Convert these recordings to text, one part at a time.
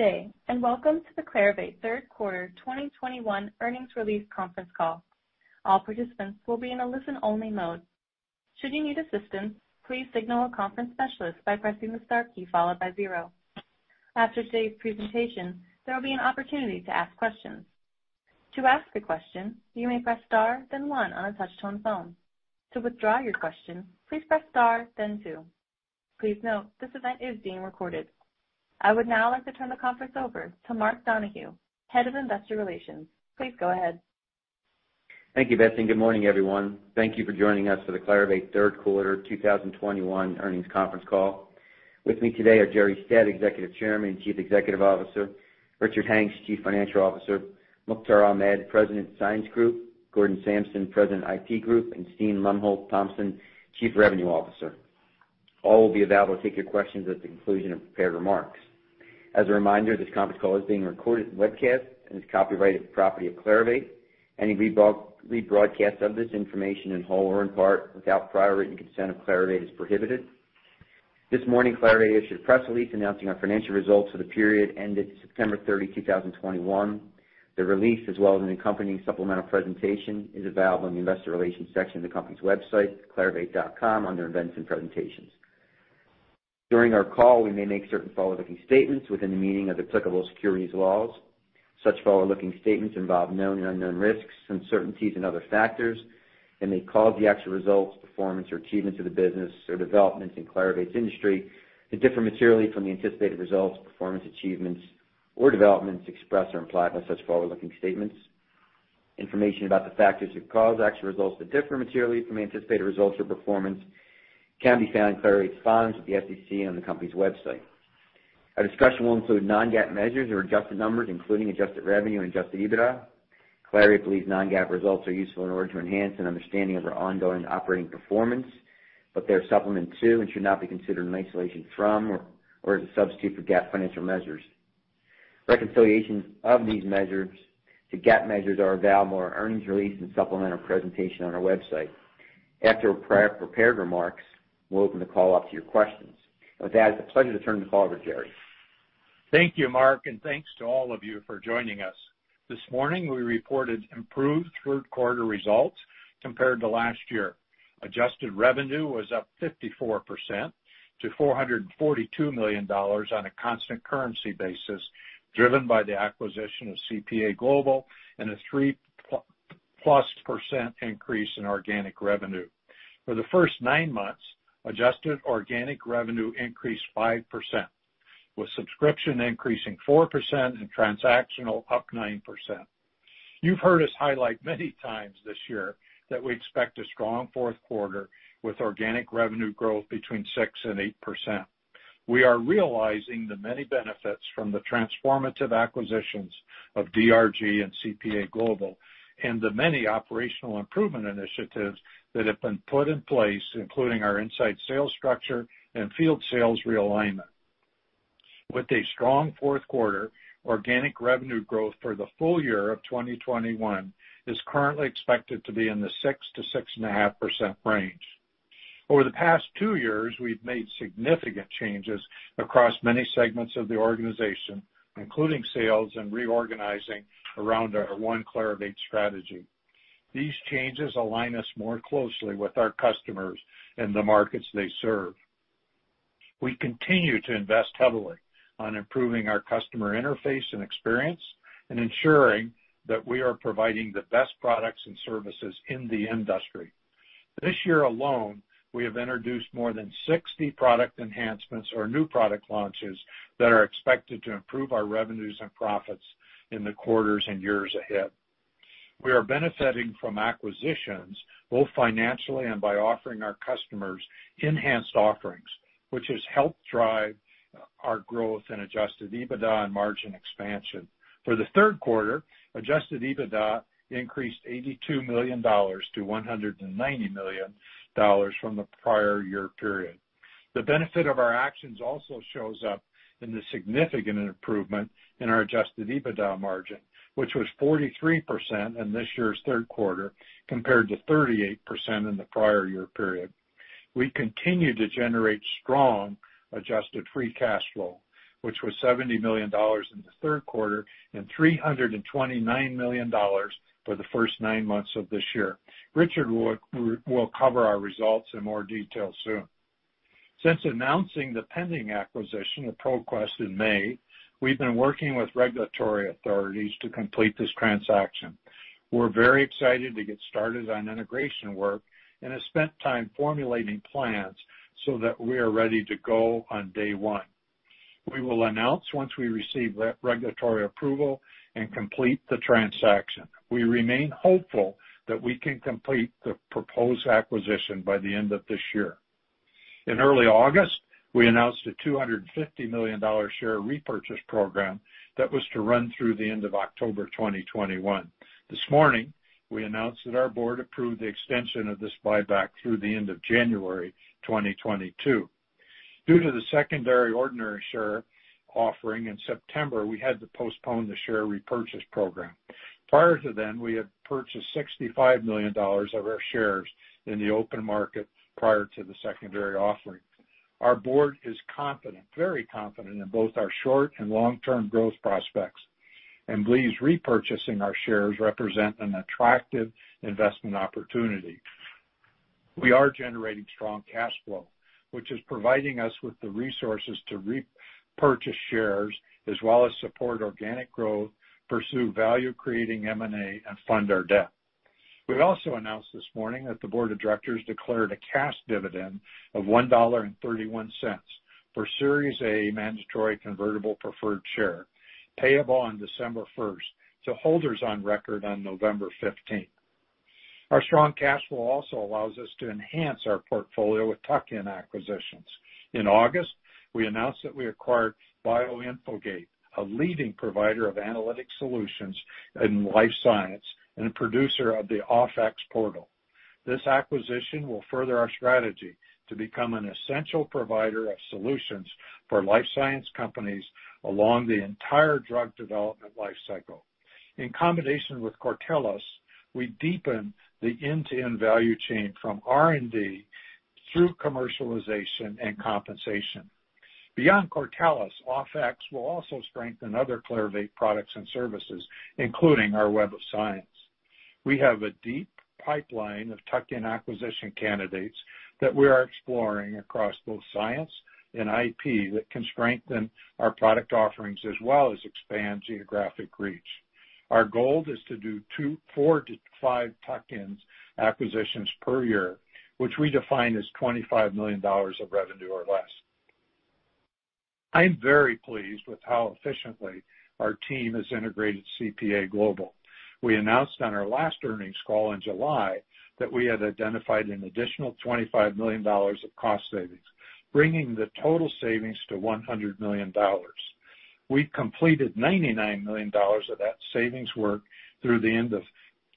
Good day, and welcome to the Clarivate third quarter 2021 earnings release conference call. All participants will be in a listen-only mode. Should you need assistance, please signal a conference specialist by pressing the star key followed by zero. After today's presentation, there will be an opportunity to ask questions. To ask a question, you may press star, then one on a touch-tone phone. To withdraw your question, please press star, then two. Please note, this event is being recorded. I would now like to turn the conference over to Mark Donohue, Head of Investor Relations. Please go ahead. Thank you, Betsy, and good morning, everyone. Thank you for joining us for the Clarivate third quarter 2021 earnings conference call. With me today are Jerre Stead, Executive Chairman and Chief Executive Officer, Richard Hanks, Chief Financial Officer, Mukhtar Ahmed, President, Science Group, Gordon Samson, President, IP Group, and Steen Lomholt-Thomsen, Chief Revenue Officer. All will be available to take your questions at the conclusion of prepared remarks. As a reminder, this conference call is being recorded and webcast and is copyrighted property of Clarivate. Any rebroadcast of this information in whole or in part without prior written consent of Clarivate is prohibited. This morning, Clarivate issued a press release announcing our financial results for the period ended September 30, 2021. The release, as well as an accompanying supplemental presentation, is available on the investor relations section of the company's website, clarivate.com, under Events & Presentations. During our call, we may make certain forward-looking statements within the meaning of applicable securities laws. Such forward-looking statements involve known and unknown risks, uncertainties, and other factors, and may cause the actual results, performance, or achievements of the business or developments in Clarivate's industry to differ materially from the anticipated results, performance, achievements, or developments expressed or implied by such forward-looking statements. Information about the factors that cause actual results to differ materially from anticipated results or performance can be found in Clarivate's filings with the SEC and on the company's website. Our discussion will include non-GAAP measures or adjusted numbers, including adjusted revenue and adjusted EBITDA. Clarivate believes non-GAAP results are useful in order to enhance an understanding of our ongoing operating performance, but they're a supplement to and should not be considered in isolation from or as a substitute for GAAP financial measures. Reconciliations of these measures to GAAP measures are available in our earnings release and supplemental presentation on our website. After our pre-prepared remarks, we'll open the call up to your questions. With that, it's a pleasure to turn the call over to Jerre. Thank you, Mark, and thanks to all of you for joining us. This morning, we reported improved third quarter results compared to last year. Adjusted revenue was up 54% to $442 million on a constant currency basis, driven by the acquisition of CPA Global and a 3%+ increase in organic revenue. For the first nine months, adjusted organic revenue increased 5%, with subscription increasing 4% and transactional up 9%. You've heard us highlight many times this year that we expect a strong fourth quarter with organic revenue growth between 6% and 8%. We are realizing the many benefits from the transformative acquisitions of DRG and CPA Global and the many operational improvement initiatives that have been put in place, including our inside sales structure and field sales realignment. With a strong fourth quarter, organic revenue growth for the full year of 2021 is currently expected to be in the 6%-6.5% range. Over the past two years, we've made significant changes across many segments of the organization, including sales and reorganizing around our One Clarivate strategy. These changes align us more closely with our customers and the markets they serve. We continue to invest heavily on improving our customer interface and experience and ensuring that we are providing the best products and services in the industry. This year alone, we have introduced more than 60 product enhancements or new product launches that are expected to improve our revenues and profits in the quarters and years ahead. We are benefiting from acquisitions, both financially and by offering our customers enhanced offerings, which has helped drive our growth in adjusted EBITDA and margin expansion. For the third quarter, adjusted EBITDA increased $82 million to $190 million from the prior year period. The benefit of our actions also shows up in the significant improvement in our adjusted EBITDA margin, which was 43% in this year's third quarter compared to 38% in the prior year period. We continue to generate strong adjusted free cash flow, which was $70 million in the third quarter and $329 million for the first nine months of this year. Richard will cover our results in more detail soon. Since announcing the pending acquisition of ProQuest in May, we've been working with regulatory authorities to complete this transaction. We're very excited to get started on integration work and have spent time formulating plans so that we are ready to go on day one. We will announce once we receive regulatory approval and complete the transaction. We remain hopeful that we can complete the proposed acquisition by the end of this year. In early August, we announced a $250 million share repurchase program that was to run through the end of October 2021. This morning, we announced that our board approved the extension of this buyback through the end of January 2022. Due to the secondary ordinary share offering in September, we had to postpone the share repurchase program. Prior to then, we had purchased $65 million of our shares in the open market prior to the secondary offering. Our board is confident, very confident in both our short and long-term growth prospects, and believes repurchasing our shares represent an attractive investment opportunity. We are generating strong cash flow, which is providing us with the resources to repurchase shares as well as support organic growth, pursue value creating M&A, and fund our debt. We've also announced this morning that the board of directors declared a cash dividend of $1.31 for Series A Mandatory Convertible Preferred Shares, payable on December first to holders on record on November fifteenth. Our strong cash flow also allows us to enhance our portfolio with tuck-in acquisitions. In August, we announced that we acquired Bioinfogate, a leading provider of analytics solutions in life sciences and a producer of the OFF-X portal. This acquisition will further our strategy to become an essential provider of solutions for life sciences companies along the entire drug development life cycle. In combination with Cortellis, we deepen the end-to-end value chain from R&D through commercialization and compensation. Beyond Cortellis, OFF-X will also strengthen other Clarivate products and services, including our Web of Science. We have a deep pipeline of tuck-in acquisition candidates that we are exploring across both science and IP that can strengthen our product offerings as well as expand geographic reach. Our goal is to do 4-5 tuck-in acquisitions per year, which we define as $25 million of revenue or less. I'm very pleased with how efficiently our team has integrated CPA Global. We announced on our last earnings call in July that we had identified an additional $25 million of cost savings, bringing the total savings to $100 million. We've completed $99 million of that savings work through the end of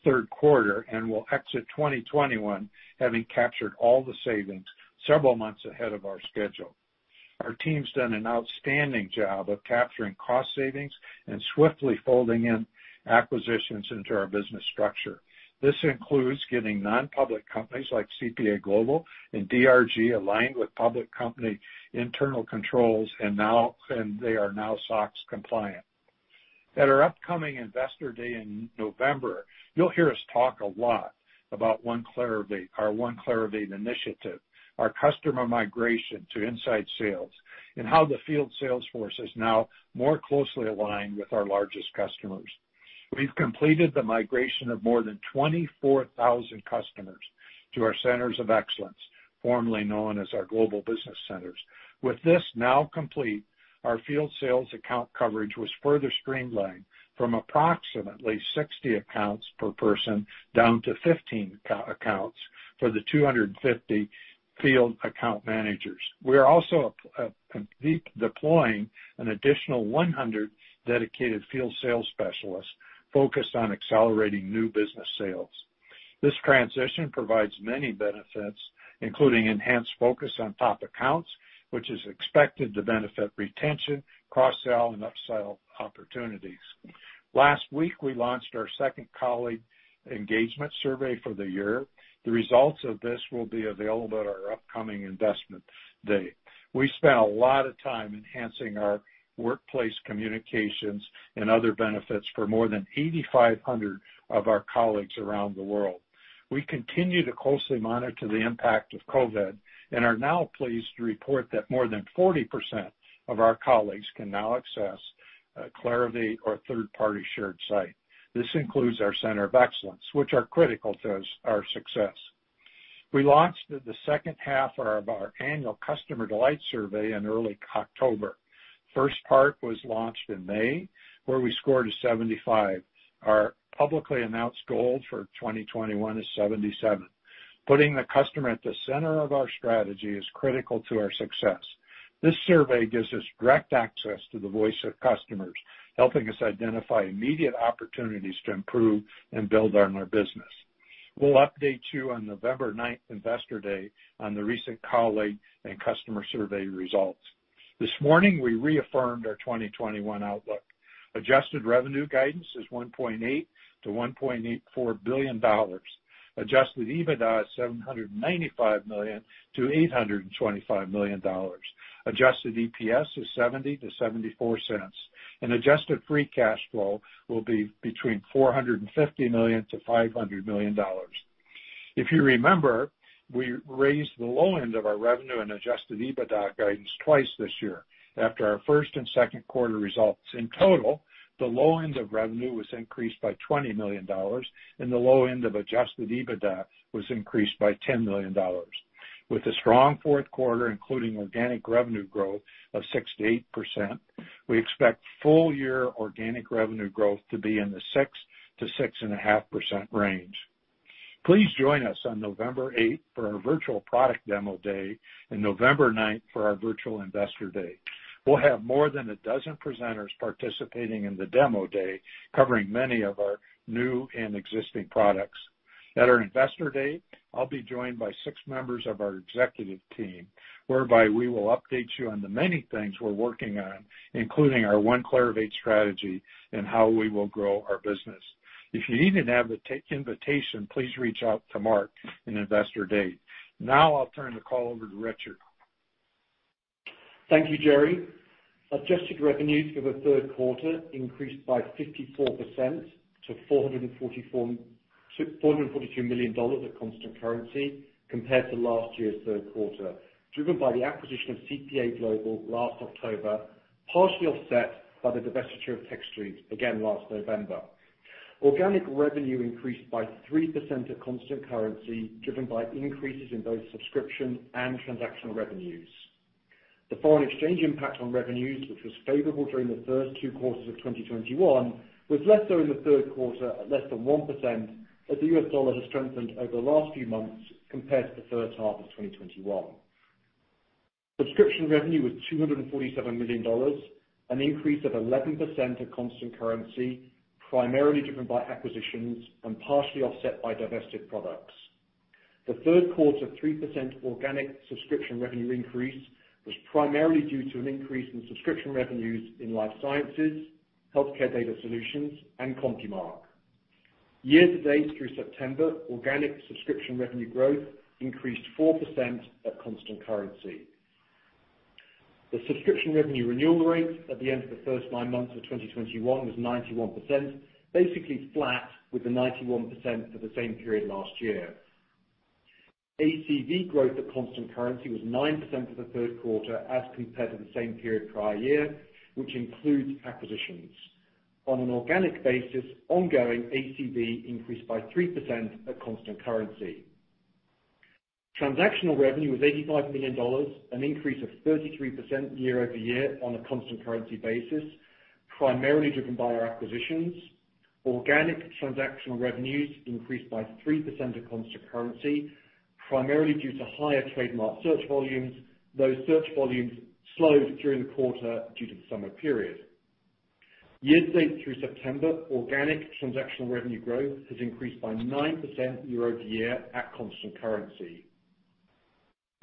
third quarter and will exit 2021 having captured all the savings several months ahead of our schedule. Our team's done an outstanding job of capturing cost savings and swiftly folding in acquisitions into our business structure. This includes getting non-public companies like CPA Global and DRG aligned with public company internal controls, and they are now SOX compliant. At our upcoming Investor Day in November, you'll hear us talk a lot about One Clarivate, our One Clarivate initiative, our customer migration to inside sales, and how the field sales force is now more closely aligned with our largest customers. We've completed the migration of more than 24,000 customers to our centers of excellence, formerly known as our global business centers. With this now complete, our field sales account coverage was further streamlined from approximately 60 accounts per person down to 15 accounts for the 250 field account managers. We are also deploying an additional 100 dedicated field sales specialists focused on accelerating new business sales. This transition provides many benefits, including enhanced focus on top accounts, which is expected to benefit retention, cross-sell, and up-sell opportunities. Last week, we launched our second colleague engagement survey for the year. The results of this will be available at our upcoming Investment Day. We spent a lot of time enhancing our workplace communications and other benefits for more than 8,500 of our colleagues around the world. We continue to closely monitor the impact of COVID and are now pleased to report that more than 40% of our colleagues can now access a Clarivate or third-party shared site. This includes our center of excellence, which are critical to our success. We launched the second half of our annual customer delight survey in early October. First part was launched in May, where we scored a 75. Our publicly announced goal for 2021 is 77. Putting the customer at the center of our strategy is critical to our success. This survey gives us direct access to the voice of customers, helping us identify immediate opportunities to improve and build on our business. We'll update you on November 9, Investor Day, on the recent colleague and customer survey results. This morning, we reaffirmed our 2021 outlook. Adjusted revenue guidance is $1.8 billion-$1.84 billion. Adjusted EBITDA is $795 million-$825 million. Adjusted EPS is $0.70-$0.74. Adjusted free cash flow will be between $450 million to $500 million. If you remember, we raised the low end of our revenue and adjusted EBITDA guidance twice this year after our first and second quarter results. In total, the low end of revenue was increased by $20 million, and the low end of adjusted EBITDA was increased by $10 million. With a strong fourth quarter, including organic revenue growth of 6%-8%, we expect full year organic revenue growth to be in the 6%-6.5% range. Please join us on November 8 for our virtual Product Demo Day and November 9 for our virtual Investor Day. We'll have more than a dozen presenters participating in the demo day, covering many of our new and existing products. At our Investor Day, I'll be joined by six members of our executive team, whereby we will update you on the many things we're working on, including our One Clarivate strategy and how we will grow our business. If you need an invitation, please reach out to Mark in Investor Day. Now I'll turn the call over to Richard. Thank you, Jerre. Adjusted Revenues for the third quarter increased by 54% to $442 million at constant currency compared to last year's third quarter, driven by the acquisition of CPA Global last October, partially offset by the divestiture of Techstreet, again last November. Organic revenue increased by 3% at constant currency, driven by increases in both subscription and transactional revenues. The foreign exchange impact on revenues, which was favorable during the first two quarters of 2021, was less so in the third quarter at less than 1%, as the US dollar has strengthened over the last few months compared to the first half of 2021. Subscription revenue was $247 million, an increase of 11% at constant currency, primarily driven by acquisitions and partially offset by divested products. The third quarter 3% organic subscription revenue increase was primarily due to an increase in subscription revenues in Life Sciences, Healthcare Data Solutions, and CompuMark. Year-to-date through September, organic subscription revenue growth increased 4% at constant currency. The subscription revenue renewal rate at the end of the first nine months of 2021 was 91%, basically flat with the 91% for the same period last year. ACV growth at constant currency was 9% for the third quarter as compared to the same period prior year, which includes acquisitions. On an organic basis, ongoing ACV increased by 3% at constant currency. Transactional revenue was $85 million, an increase of 33% year-over-year on a constant currency basis, primarily driven by our acquisitions. Organic transactional revenues increased by 3% at constant currency, primarily due to higher trademark search volumes. Those search volumes slowed during the quarter due to the summer period. Year-to-date through September, organic transactional revenue growth has increased by 9% year-over-year at constant currency.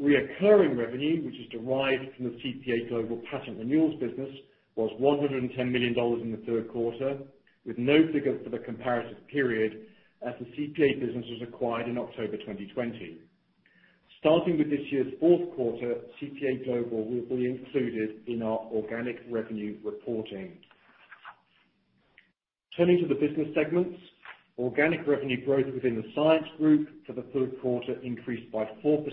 Recurring revenue, which is derived from the CPA Global patent renewals business, was $110 million in the third quarter, with no figures for the comparative period as the CPA business was acquired in October 2020. Starting with this year's fourth quarter, CPA Global will be included in our organic revenue reporting. Turning to the business segments. Organic revenue growth within the Science Group for the third quarter increased by 4% or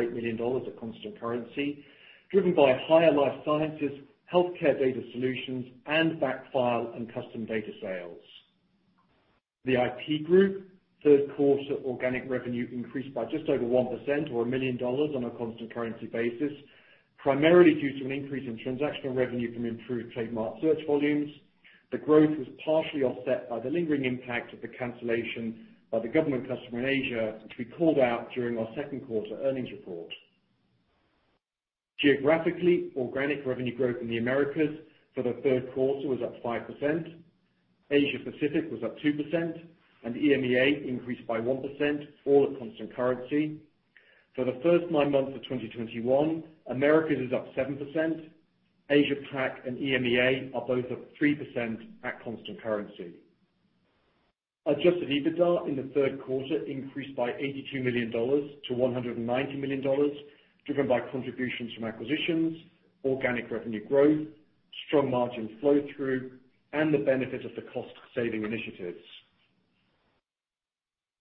$8 million at constant currency, driven by higher life sciences, Healthcare Data Solutions, and backfile and custom data sales. The IP Group third quarter organic revenue increased by just over 1% or $1 million on a constant currency basis, primarily due to an increase in transactional revenue from improved trademark search volumes. The growth was partially offset by the lingering impact of the cancellation by the government customer in Asia, which we called out during our second quarter earnings report. Geographically, organic revenue growth in the Americas for the third quarter was up 5%, Asia Pacific was up 2%, and EMEA increased by 1%, all at constant currency. For the first nine months of 2021, Americas is up 7%, Asia Pac and EMEA are both up 3% at constant currency. Adjusted EBITDA in the third quarter increased by $82 million to $190 million, driven by contributions from acquisitions, organic revenue growth, strong margin flow-through, and the benefit of the cost-saving initiatives.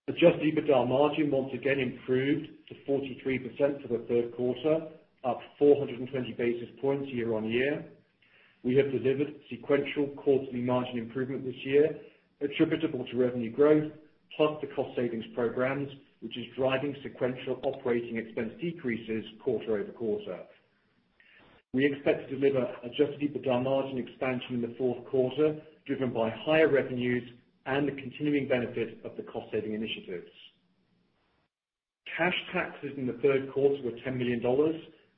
Adjusted EBITDA margin once again improved to 43% for the third quarter, up 420 basis points year-over-year. We have delivered sequential quarterly margin improvement this year, attributable to revenue growth, plus the cost savings programs, which is driving sequential operating expense decreases quarter-over-quarter. We expect to deliver adjusted EBITDA margin expansion in the fourth quarter, driven by higher revenues and the continuing benefit of the cost-saving initiatives. Cash taxes in the third quarter were $10 million,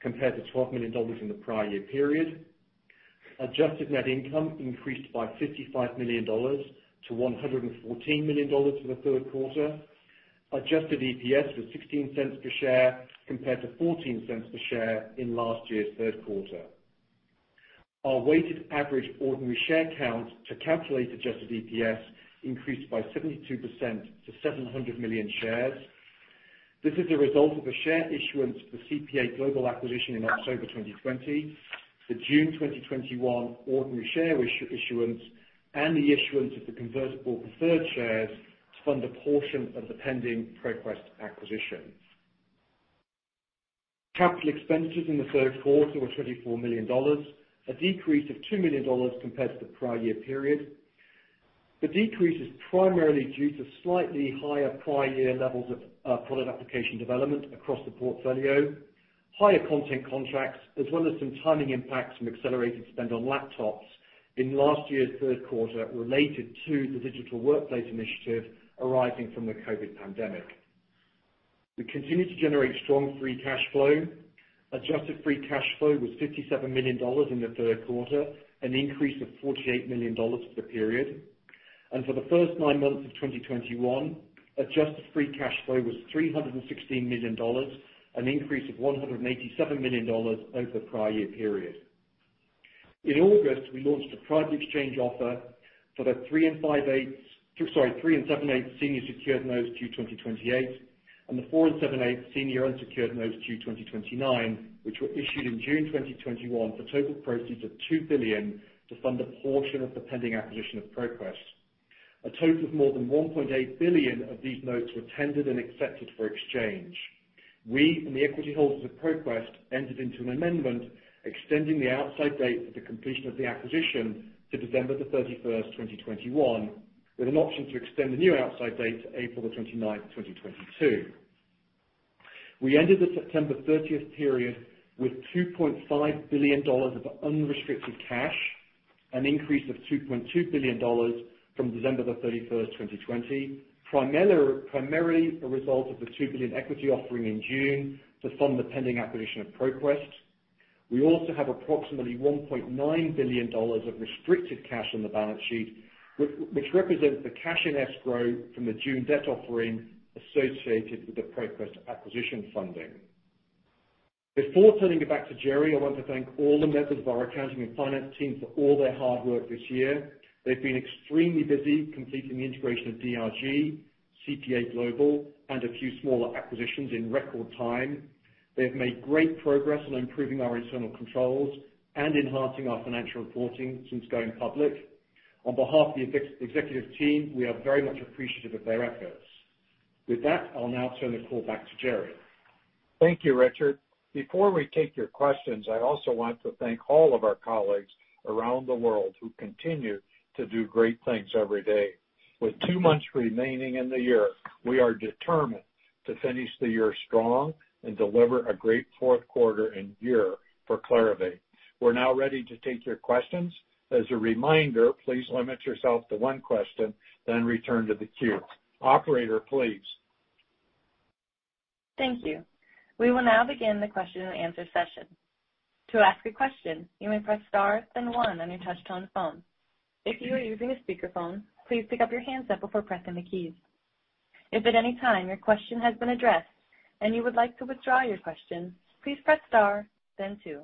compared to $12 million in the prior year period. Adjusted net income increased by $55 million to $114 million for the third quarter. Adjusted EPS was $0.16 per share, compared to $0.14 per share in last year's third quarter. Our weighted average ordinary share count to calculate adjusted EPS increased by 72% to 700 million shares. This is a result of a share issuance for CPA Global acquisition in October 2020, the June 2021 ordinary share issuance, and the issuance of the convertible preferred shares to fund a portion of the pending ProQuest acquisition. Capital expenditures in the third quarter were $24 million, a decrease of $2 million compared to the prior year period. The decrease is primarily due to slightly higher prior year levels of product application development across the portfolio, higher content contracts, as well as some timing impacts from accelerated spend on laptops in last year's third quarter related to the digital workplace initiative arising from the COVID pandemic. We continue to generate strong free cash flow. Adjusted free cash flow was $57 million in the third quarter, an increase of $48 million for the period. For the first nine months of 2021, adjusted free cash flow was $316 million, an increase of $187 million over the prior year period. In August, we launched a private exchange offer for the 3 7/8 senior secured notes due 2028, and the 4 7/8 senior unsecured notes due 2029, which were issued in June 2021 for total proceeds of $2 billion to fund a portion of the pending acquisition of ProQuest. A total of more than $1.8 billion of these notes were tendered and accepted for exchange. We and the equity holders of ProQuest entered into an amendment extending the outside date for the completion of the acquisition to December 31, 2021, with an option to extend the new outside date to April 29th, 2022. We ended the September 30th period with $2.5 billion of unrestricted cash, an increase of $2.2 billion from December 31st, 2020, primarily a result of the $2 billion equity offering in June to fund the pending acquisition of ProQuest. We also have approximately $1.9 billion of restricted cash on the balance sheet, which represents the cash in escrow from the June debt offering associated with the ProQuest acquisition funding. Before turning it back to Jerre, I want to thank all the members of our accounting and finance team for all their hard work this year. They've been extremely busy completing the integration of DRG, CPA Global, and a few smaller acquisitions in record time. They have made great progress on improving our internal controls and enhancing our financial reporting since going public. On behalf of the executive team, we are very much appreciative of their efforts. With that, I'll now turn the call back to Jerre. Thank you, Richard. Before we take your questions, I also want to thank all of our colleagues around the world who continue to do great things every day. With two months remaining in the year, we are determined to finish the year strong and deliver a great fourth quarter and year for Clarivate. We're now ready to take your questions. As a reminder, please limit yourself to one question, then return to the queue. Operator, please. Thank you. We will now begin the question and answer session. To ask a question, you may press star, then one on your touchtone phone. If you are using a speakerphone, please pick up your handset before pressing the keys. If at any time your question has been addressed and you would like to withdraw your question, please press star then two.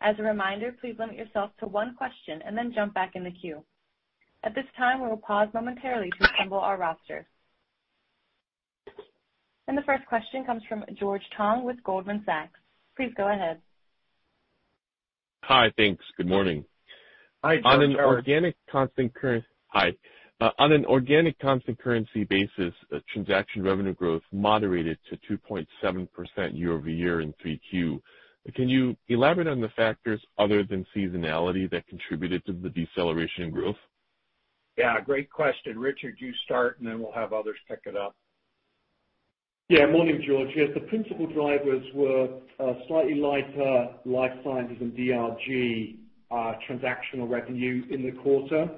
As a reminder, please limit yourself to one question and then jump back in the queue. At this time, we will pause momentarily to assemble our roster. The first question comes from George Tong with Goldman Sachs. Please go ahead. Hi. Thanks. Good morning. Hi, George. How are you? On an organic constant currency basis, transaction revenue growth moderated to 2.7% year-over-year in 3Q. Can you elaborate on the factors other than seasonality that contributed to the deceleration growth? Yeah. Great question. Richard, you start, and then we'll have others pick it up. Yeah. Morning, George. Yes, the principal drivers were slightly lighter life sciences and DRG transactional revenue in the quarter.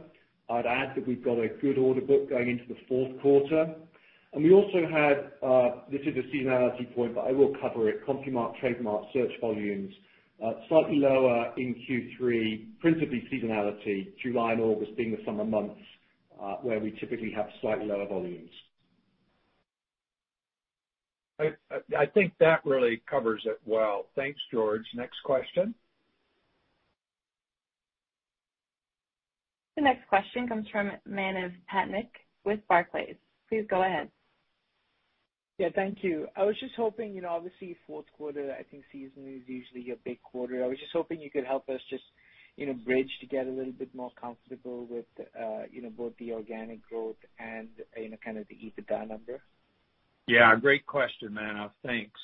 I'd add that we've got a good order book going into the fourth quarter. We also had, this is a seasonality point, but I will cover it, CompuMark trademark search volumes slightly lower in Q3, principally seasonality, July and August being the summer months where we typically have slightly lower volumes. I think that really covers it well. Thanks, George. Next question. The next question comes from Manav Patnaik with Barclays. Please go ahead. Yeah. Thank you. I was just hoping, you know, obviously, fourth quarter, I think season is usually your big quarter. I was just hoping you could help us just, you know, bridge to get a little bit more comfortable with, you know, both the organic growth and, you know, kind of the EBITDA number. Yeah. Great question, Manav. Thanks.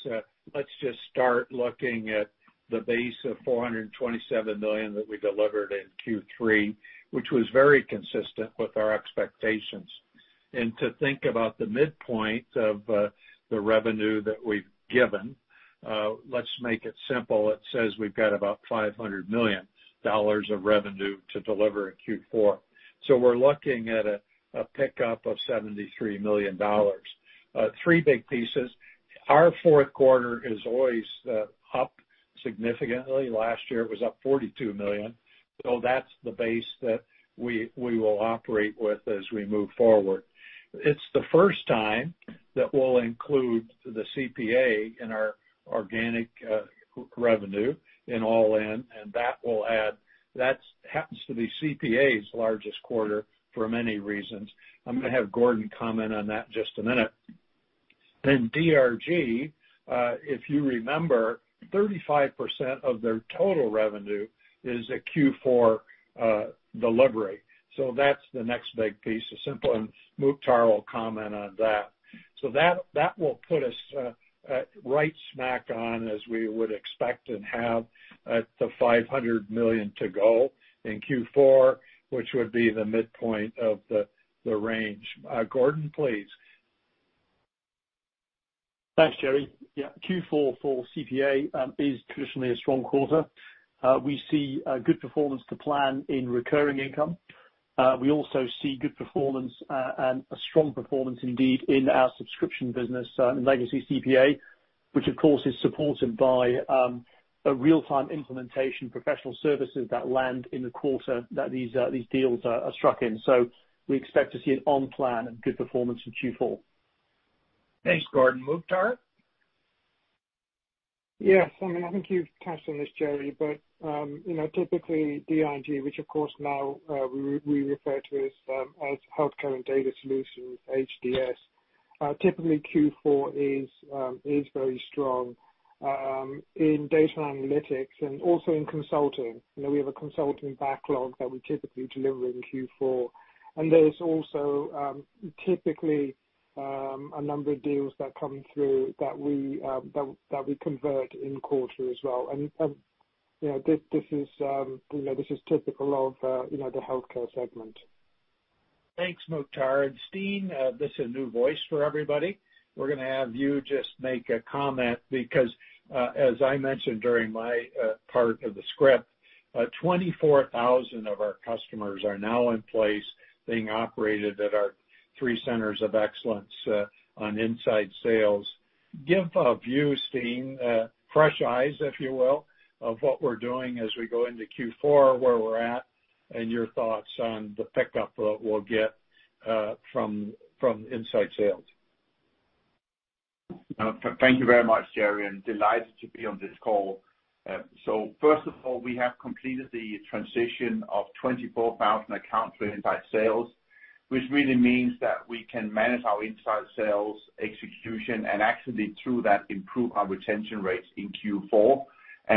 Let's just start looking at the base of $427 million that we delivered in Q3, which was very consistent with our expectations. To think about the midpoint of the revenue that we've given, let's make it simple. It says we've got about $500 million of revenue to deliver in Q4. We're looking at a pickup of $73 million. Three big pieces. Our fourth quarter is always up significantly. Last year, it was up $42 million. That's the base that we will operate with as we move forward. It's the first time that we'll include the CPA in our organic revenue all-in, and that will add. That happens to be CPA's largest quarter for many reasons. I'm gonna have Gordon comment on that in just a minute. DRG, if you remember, 35% of their total revenue is a Q4 delivery. That's the next big piece. Simple, and Mukhtar will comment on that. That will put us right smack on as we would expect and have the $500 million to go in Q4, which would be the midpoint of the range. Gordon, please. Thanks, Jerre. Yeah. Q4 for CPA is traditionally a strong quarter. We see a good performance to plan in recurring income. We also see good performance and a strong performance indeed in our subscription business in legacy CPA, which of course is supported by a real-time implementation professional services that land in the quarter that these deals are struck in. We expect to see an on-plan and good performance in Q4. Thanks, Gordon. Mukhtar? Yes. I mean, I think you've touched on this, Jerre, but you know, typically DRG, which of course now we refer to as Healthcare and Data Solutions, HDS, typically Q4 is very strong in data analytics and also in consulting. You know, we have a consulting backlog that we typically deliver in Q4. There's also typically a number of deals that come through that we convert in quarter as well. You know, this is typical of the healthcare segment. Thanks, Mukhtar. Steen, this is a new voice for everybody. We're gonna have you just make a comment because, as I mentioned during my part of the script, 24,000 of our customers are now in place being operated at our three centers of excellence on inside sales. Give a view, Steen, fresh eyes, if you will, of what we're doing as we go into Q4, where we're at, and your thoughts on the pickup we'll get from inside sales. Thank you very much, Jerre, and delighted to be on this call. First of all, we have completed the transition of 24,000 accounts for inside sales, which really means that we can manage our inside sales execution and actually through that improve our retention rates in Q4.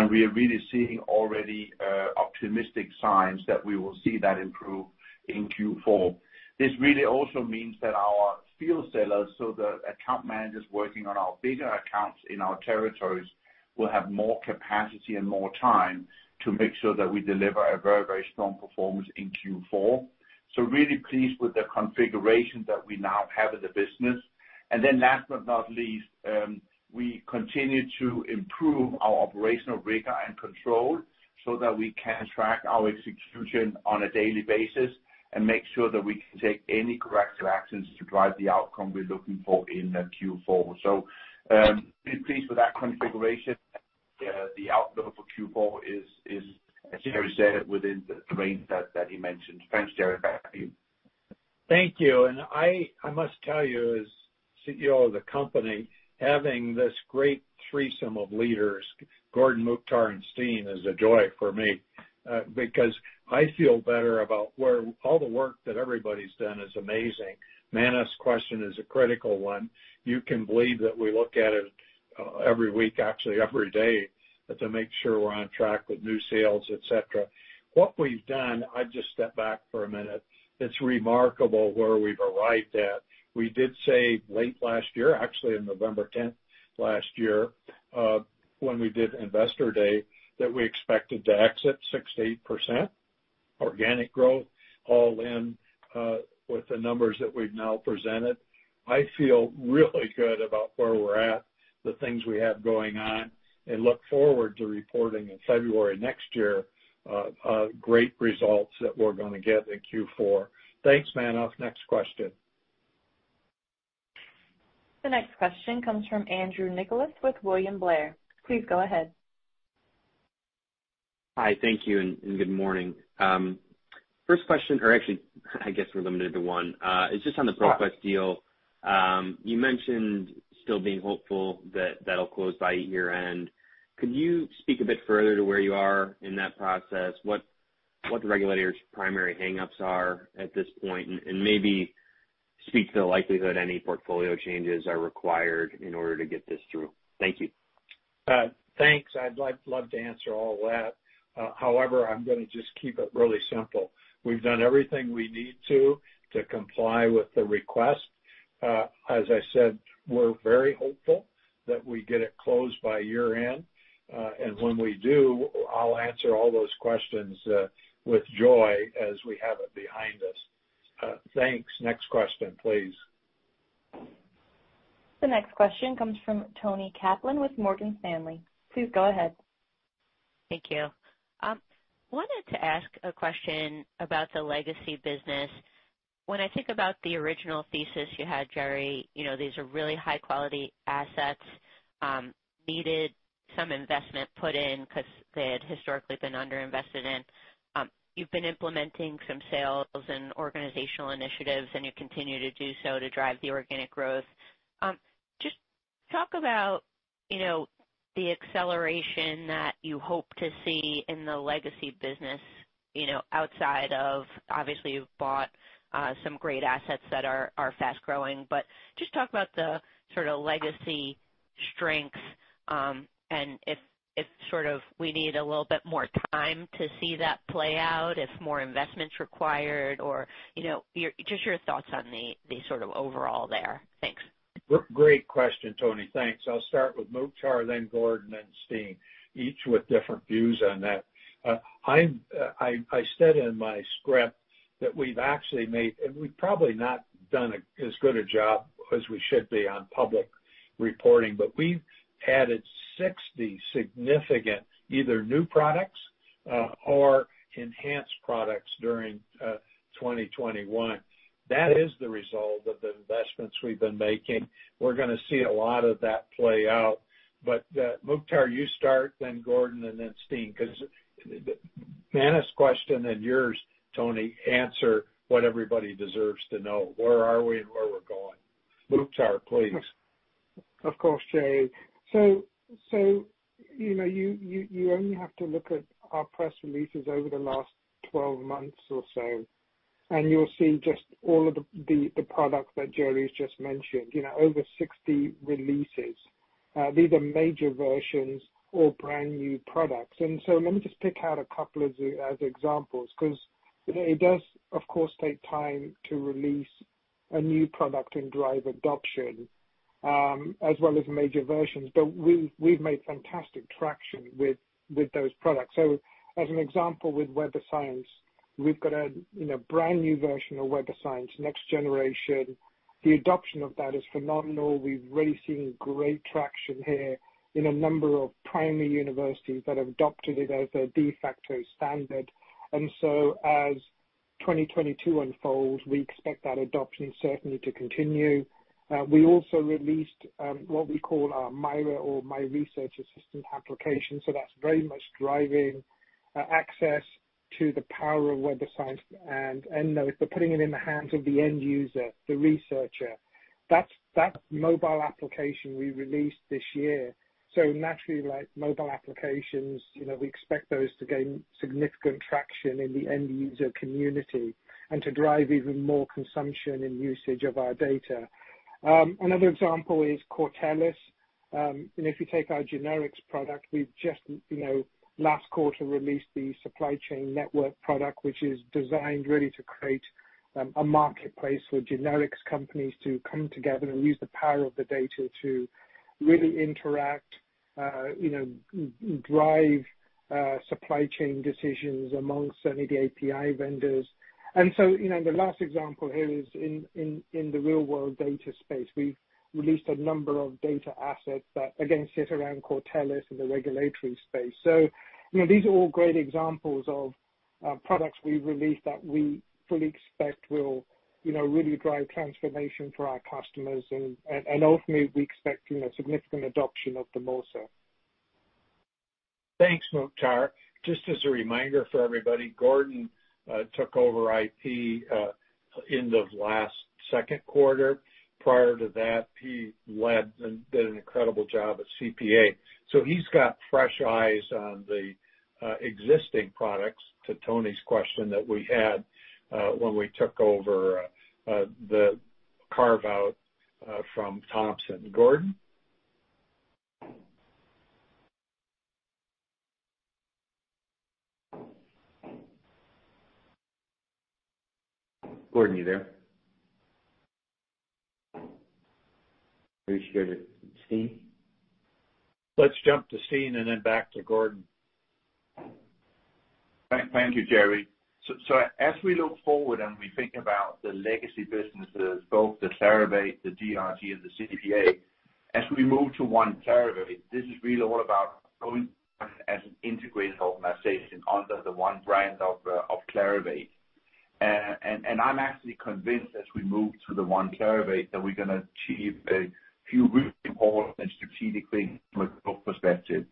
We are really seeing already optimistic signs that we will see that improve in Q4. This really also means that our field sellers, so the account managers working on our bigger accounts in our territories, will have more capacity and more time to make sure that we deliver a very, very strong performance in Q4. Really pleased with the configuration that we now have in the business. Last but not least, we continue to improve our operational rigor and control so that we can track our execution on a daily basis and make sure that we can take any corrective actions to drive the outcome we're looking for in Q4. We're pleased with that configuration. The outlook for Q4 is as Jerre said, within the range that he mentioned. Thanks, Jerre. Back to you. Thank you. I must tell you, as CEO of the company, having this great threesome of leaders, Gordon, Mukhtar, and Steen, is a joy for me, because I feel better about where all the work that everybody's done is amazing. Manav's question is a critical one. You can believe that we look at it, every week, actually every day, to make sure we're on track with new sales, et cetera. What we've done, I'll just step back for a minute, it's remarkable where we've arrived at. We did say late last year, actually on November tenth last year, when we did Investor Day, that we expected to exit 6%-8% organic growth all in, with the numbers that we've now presented. I feel really good about where we're at, the things we have going on, and look forward to reporting in February next year, great results that we're gonna get in Q4. Thanks, Manav Patnaik. Next question. The next question comes from Andrew Nicholas with William Blair. Please go ahead. Hi. Thank you and good morning. First question, or actually I guess we're limited to one, is just on the ProQuest deal. You mentioned still being hopeful that that'll close by year-end. Could you speak a bit further to where you are in that process? What the regulators' primary hang-ups are at this point? And maybe speak to the likelihood any portfolio changes are required in order to get this through. Thank you. Thanks. I'd like, love to answer all that. However, I'm gonna just keep it really simple. We've done everything we need to comply with the request. As I said, we're very hopeful that we get it closed by year-end. When we do, I'll answer all those questions with joy as we have it behind us. Thanks. Next question, please. The next question comes from Toni Kaplan with Morgan Stanley. Please go ahead. Thank you. Wanted to ask a question about the legacy business. When I think about the original thesis you had, Jerre, you know, these are really high-quality assets, needed some investment put in 'cause they had historically been under-invested in. You've been implementing some sales and organizational initiatives, and you continue to do so to drive the organic growth. Just talk about, you know, the acceleration that you hope to see in the legacy business, you know, outside of obviously you've bought some great assets that are fast-growing, but just talk about the sort of legacy strengths, and if sort of we need a little bit more time to see that play out, if more investment's required or, you know, just your thoughts on the sort of overall there. Thanks. Great question, Toni. Thanks. I'll start with Mukhtar, then Gordon, then Steen, each with different views on that. I said in my script that we've actually made. We've probably not done as good a job as we should be on public reporting. We've added 60 significant either new products or enhanced products during 2021. That is the result of the investments we've been making. We're gonna see a lot of that play out. Mukhtar, you start, then Gordon, and then Steen, because Anna's question and yours, Toni, answer what everybody deserves to know, where are we and where we're going. Mukhtar, please. Of course, Jerre. You know, you only have to look at our press releases over the last 12 months or so, and you'll see just all of the products that Jerre's just mentioned, you know, over 60 releases. These are major versions or brand-new products. Let me just pick out a couple as examples 'cause it does, of course, take time to release a new product and drive adoption, as well as major versions. We've made fantastic traction with those products. As an example, with Web of Science, we've got a, you know, brand-new version of Web of Science next generation. The adoption of that is phenomenal. We're really seeing great traction here in a number of primary universities that have adopted it as a de facto standard. As 2022 unfolds, we expect that adoption certainly to continue. We also released what we call our MyRA or My Research Assistant application, so that's very much driving access to the power of Web of Science and EndNote, we're putting it in the hands of the end user, the researcher. That's that mobile application we released this year. Naturally, like mobile applications, you know, we expect those to gain significant traction in the end user community and to drive even more consumption and usage of our data. Another example is Cortellis. If you take our generics product, we've just, you know, last quarter, released the supply chain network product, which is designed really to create a marketplace for generics companies to come together and use the power of the data to really interact, you know, drive supply chain decisions amongst any of the API vendors. The last example here is in the real-world data space. We've released a number of data assets that again sit around Cortellis in the regulatory space. These are all great examples of products we've released that we fully expect will, you know, really drive transformation for our customers and ultimately, we expect, you know, significant adoption of them also. Thanks, Mukhtar. Just as a reminder for everybody, Gordon took over IP end of last second quarter. Prior to that, he led and did an incredible job at CPA. He's got fresh eyes on the existing products to Toni's question that we had when we took over the carve out from Thomson. Gordon? Gordon, are you there? Are you sure? Steen? Let's jump to Steen and then back to Gordon. Thank you, Jerre. As we look forward and we think about the legacy businesses, both the Clarivate, the DRG and the CPA, as we move to One Clarivate, this is really all about going as an integrated organization under the one brand of Clarivate. I'm actually convinced as we move to the One Clarivate that we're gonna achieve a few really important and strategic perspectives.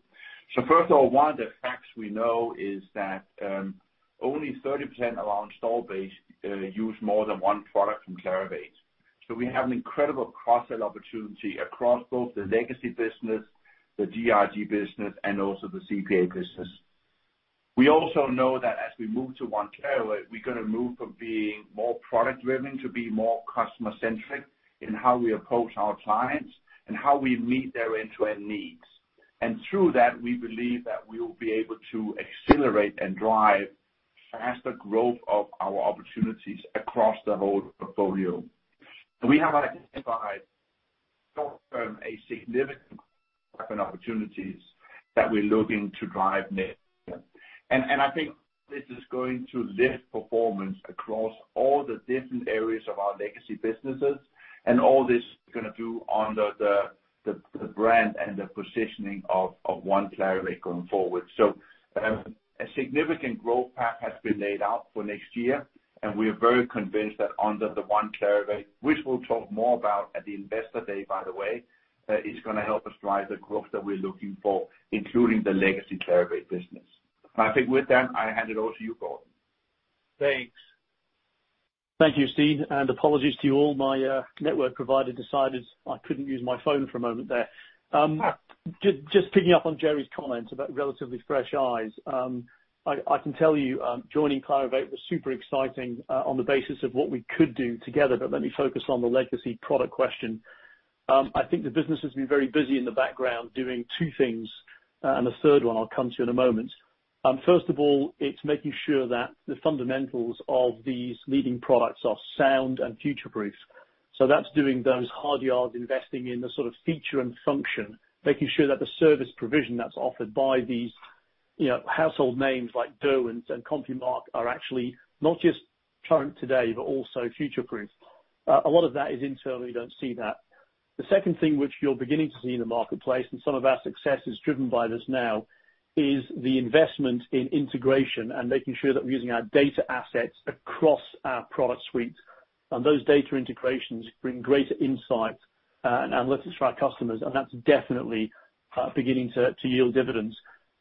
First of all, one of the facts we know is that only 30% of our installed base use more than one product from Clarivate. We have an incredible cross-sell opportunity across both the legacy business, the DRG business, and also the CPA business. We also know that as we move to One Clarivate, we're gonna move from being more product driven to being more customer centric in how we approach our clients and how we meet their end-to-end needs. Through that, we believe that we will be able to accelerate and drive faster growth of our opportunities across the whole portfolio. We have identified short-term a significant opportunities that we're looking to drive next. I think this is going to lift performance across all the different areas of our legacy businesses and all this is gonna do under the brand and the positioning of One Clarivate going forward. A significant growth path has been laid out for next year, and we are very convinced that under the One Clarivate, which we'll talk more about at the Investor Day, by the way, is gonna help us drive the growth that we're looking for, including the legacy Clarivate business. I think with that, I hand it over to you, Gordon. Thanks. Thank you, Steen. Apologies to you all. My network provider decided I couldn't use my phone for a moment there. Just picking up on Jerre's comments about relatively fresh eyes, I can tell you, joining Clarivate was super exciting, on the basis of what we could do together, but let me focus on the legacy product question. I think the business has been very busy in the background doing two things, and a third one I'll come to in a moment. First of all, it's making sure that the fundamentals of these leading products are sound and future-proof. That's doing those hard yards, investing in the sort of feature and function, making sure that the service provision that's offered by these You know, household names like Derwent and CompuMark are actually not just current today, but also future-proof. A lot of that is internal, you don't see that. The second thing which you're beginning to see in the marketplace, and some of our success is driven by this now, is the investment in integration and making sure that we're using our data assets across our product suite. Those data integrations bring greater insight and analytics for our customers, and that's definitely beginning to yield dividends.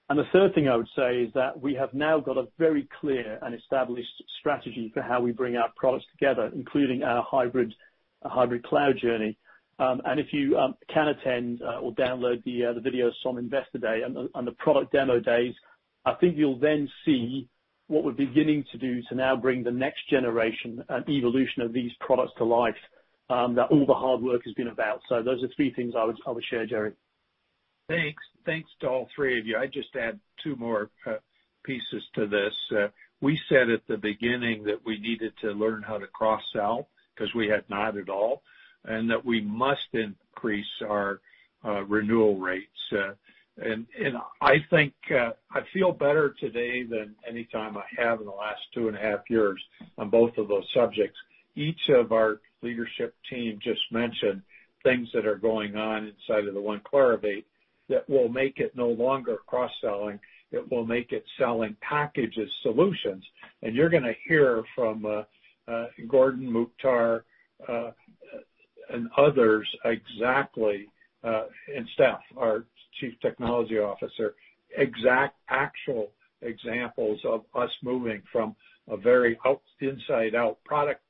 The third thing I would say is that we have now got a very clear and established strategy for how we bring our products together, including our hybrid cloud journey. If you can attend or download the video from Investor Day and the product demo days, I think you'll then see what we're beginning to do to now bring the next generation and evolution of these products to life, that all the hard work has been about. Those are three things I would share, Jerre. Thanks. Thanks to all three of you. I'd just add two more pieces to this. We said at the beginning that we needed to learn how to cross-sell 'cause we had not at all, and that we must increase our renewal rates. I think I feel better today than any time I have in the last two and a half years on both of those subjects. Each of our leadership team just mentioned things that are going on inside of the One Clarivate that will make it no longer cross-selling, it will make it selling packages solutions. You're gonna hear from Gordon, Mukhtar, and others exactly, and Stef, our Chief Technology Officer, exact actual examples of us moving from a very inside out product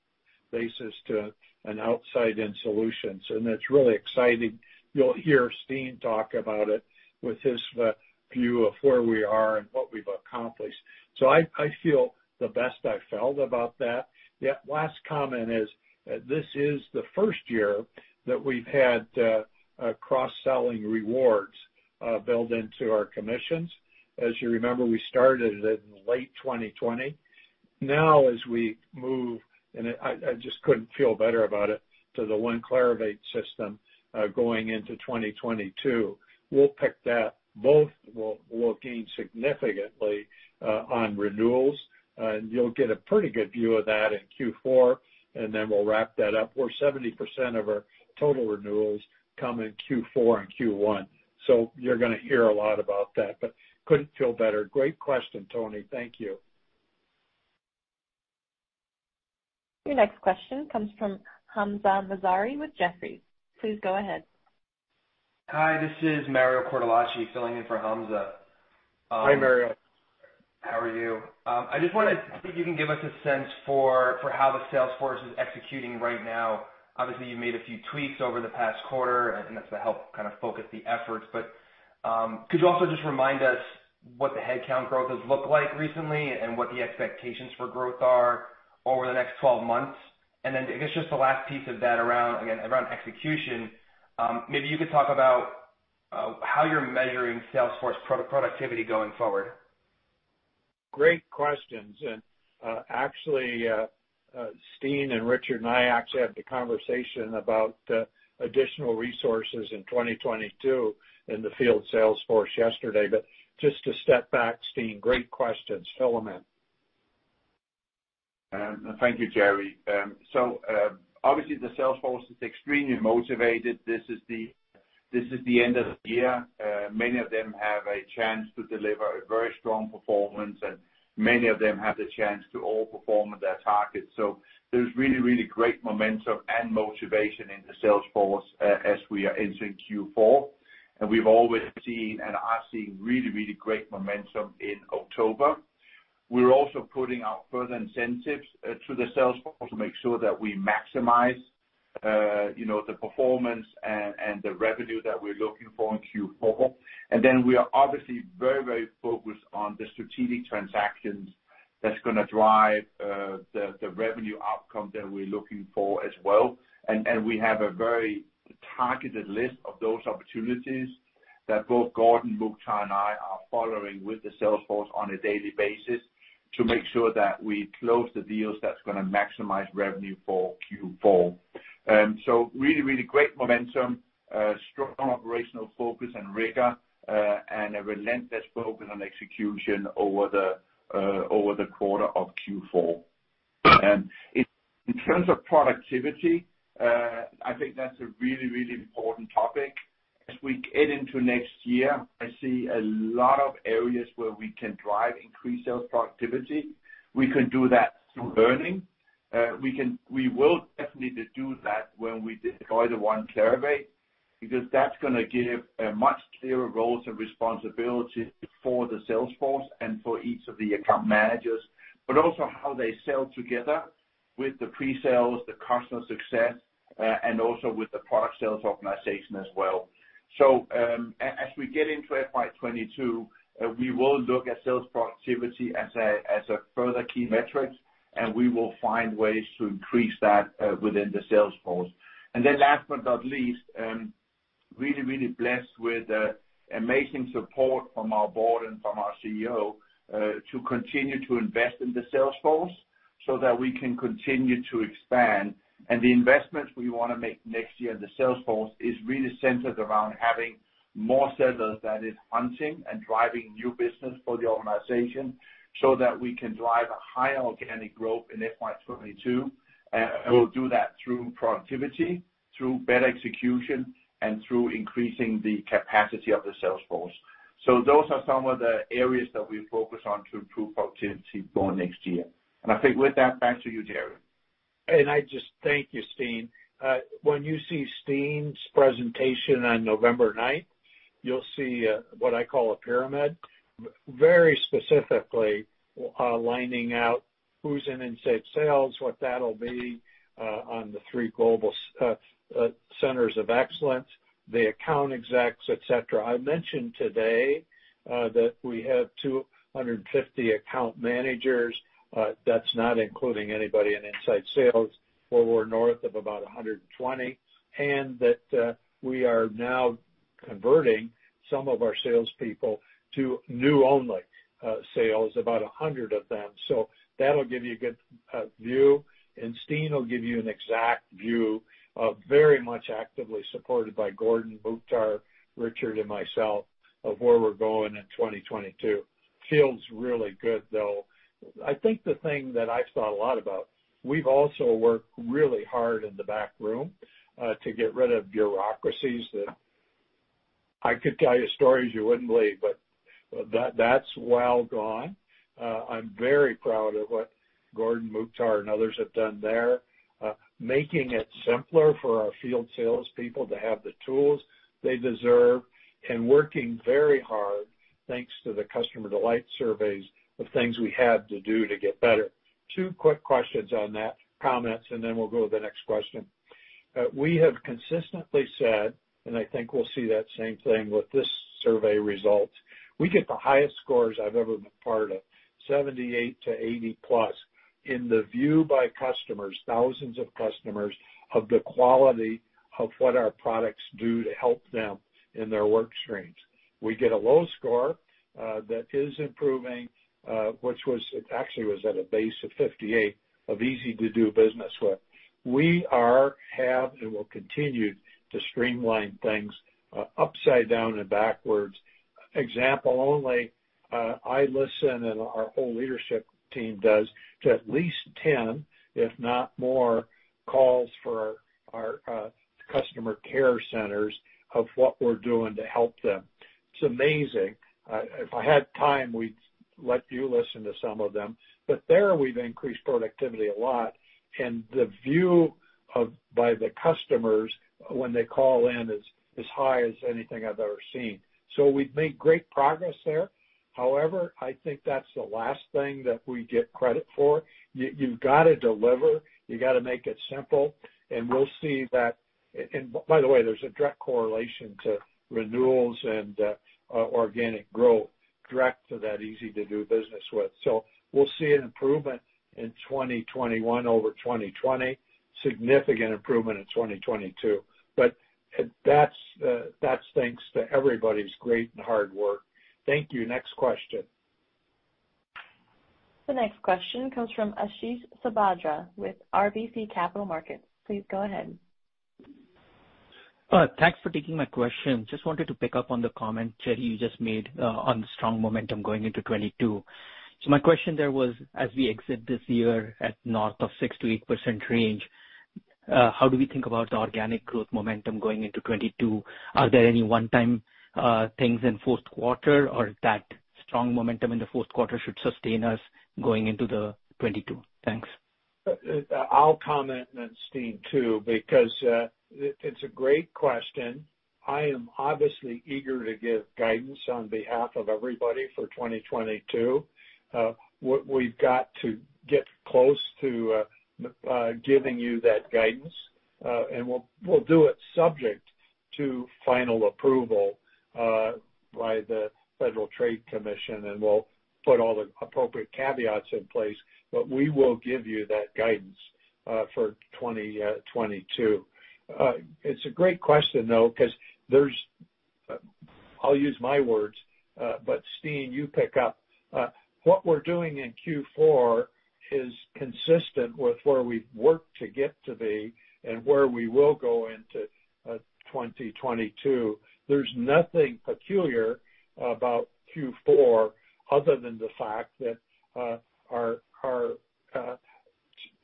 basis to an outside in solution. It's really exciting. You'll hear Steen talk about it with his view of where we are and what we've accomplished. I feel the best I've felt about that. The last comment is that this is the first year that we've had cross-selling rewards built into our commissions. As you remember, we started it in late 2020. Now, as we move, and I just couldn't feel better about it, to the One Clarivate system going into 2022, we'll pick that. Both will gain significantly on renewals. And you'll get a pretty good view of that in Q4, and then we'll wrap that up, where 70% of our total renewals come in Q4 and Q1. You're gonna hear a lot about that, but couldn't feel better. Great question, Tony. Thank you. Your next question comes from Hamzah Mazari with Jefferies. Please go ahead. Hi, this is Mario Cortellacci filling in for Hamzah Mazari. Hi, Mario. How are you? I just wondered if you can give us a sense for how the sales force is executing right now. Obviously, you made a few tweaks over the past quarter, and that's to help kind of focus the efforts. Could you also just remind us what the headcount growth has looked like recently and what the expectations for growth are over the next 12 months? I guess just the last piece of that around execution again, maybe you could talk about how you're measuring sales force productivity going forward. Great questions. Actually, Steen and Richard and I actually had the conversation about additional resources in 2022 in the field sales force yesterday. Just to step back, Steen, great questions. Fill them in. Thank you, Jerre. Obviously the sales force is extremely motivated. This is the end of the year. Many of them have a chance to deliver a very strong performance, and many of them have the chance to all perform at their targets. There's really great momentum and motivation in the sales force as we are entering Q4. We've always seen, and are seeing really great momentum in October. We're also putting out further incentives to the sales force to make sure that we maximize, you know, the performance and the revenue that we're looking for in Q4. We are obviously very focused on the strategic transactions that's gonna drive the revenue outcome that we're looking for as well. We have a very targeted list of those opportunities that both Gordon, Mukhtar, and I are following with the sales force on a daily basis to make sure that we close the deals that's gonna maximize revenue for Q4. Really great momentum, strong operational focus and rigor, and a relentless focus on execution over the quarter of Q4. In terms of productivity, I think that's a really important topic. As we get into next year, I see a lot of areas where we can drive increased sales productivity. We can do that through learning. We will definitely do that when we deploy the One Clarivate, because that's gonna give a much clearer roles and responsibilities for the sales force and for each of the account managers, but also how they sell together with the pre-sales, the customer success, and also with the product sales organization as well. As we get into FY 2022, we will look at sales productivity as a further key metric, and we will find ways to increase that within the sales force. Last but not least, really blessed with amazing support from our board and from our CEO to continue to invest in the sales force so that we can continue to expand. The investments we wanna make next year in the sales force is really centered around having more sellers that is hunting and driving new business for the organization so that we can drive a higher organic growth in FY 2022. We'll do that through productivity, through better execution, and through increasing the capacity of the sales force. Those are some of the areas that we focus on to improve productivity for next year. I think with that, back to you, Jerre. I just thank you, Steen. When you see Steen's presentation on November 9, you'll see what I call a pyramid, very specifically laying out who's in inside sales, what that'll be on the three global centers of excellence, the account execs, et cetera. I mentioned today that we have 250 account managers, that's not including anybody in inside sales, where we're north of about 120. That we are now converting some of our salespeople to new-only sales, about 100 of them. That'll give you a good view, and Steen will give you an exact view of very much actively supported by Gordon, Mukhtar, Richard and myself of where we're going in 2022. Feels really good, though. I think the thing that I've thought a lot about, we've also worked really hard in the back room to get rid of bureaucracies that I could tell you stories you wouldn't believe, but that's well gone. I'm very proud of what Gordon, Mukhtar and others have done there, making it simpler for our field salespeople to have the tools they deserve and working very hard, thanks to the customer delight surveys, the things we had to do to get better. Two quick questions on that, comments, and then we'll go to the next question. We have consistently said, and I think we'll see that same thing with this survey results. We get the highest scores I've ever been part of, 78%-80%+, in the view by customers, thousands of customers, of the quality of what our products do to help them in their work streams. We get a low score that is improving, which was actually at a base of 58% of easy to do business with. We are, have, and will continue to streamline things, upside down and backwards. Example only, I listen, and our whole leadership team does, to at least 10, if not more, calls for our customer care centers of what we're doing to help them. It's amazing. If I had time, we'd let you listen to some of them. There we've increased productivity a lot, and the view by the customers when they call in is as high as anything I've ever seen. We've made great progress there. However, I think that's the last thing that we get credit for. You've gotta deliver, you gotta make it simple, and we'll see that. By the way, there's a direct correlation to renewals and organic growth, direct to that easy to do business with. We'll see an improvement in 2021 over 2020, significant improvement in 2022. That's thanks to everybody's great and hard work. Thank you. Next question. The next question comes from Ashish Sabadra with RBC Capital Markets. Please go ahead. Thanks for taking my question. Just wanted to pick up on the comment, Jerre, you just made, on the strong momentum going into 2022. My question there was, as we exit this year at north of 6%-8% range, how do we think about the organic growth momentum going into 2022? Are there any one-time things in fourth quarter or that strong momentum in the fourth quarter should sustain us going into the 2022? Thanks. I'll comment and Steen too because it's a great question. I am obviously eager to give guidance on behalf of everybody for 2022. What we've got to get close to giving you that guidance, and we'll do it subject to final approval by the Federal Trade Commission, and we'll put all the appropriate caveats in place, but we will give you that guidance for 2022. It's a great question, though, 'cause there's. I'll use my words, but Steen, you pick up. What we're doing in Q4 is consistent with where we've worked to get to be and where we will go into 2022. There's nothing peculiar about Q4 other than the fact that